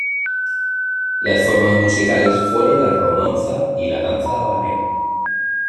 Las formas musicales fueron la romanza y la danza habanera.